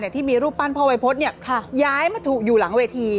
ที่มีรูปปั้นพ่อวัยพฤษย้ายมาถูกอยู่หลังเวที